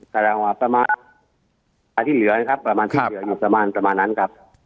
ตารางวาประมาณอาทิตย์เหลือครับประมาณประมาณประมาณนั้นครับ